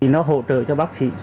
nó hỗ trợ cho bác sĩ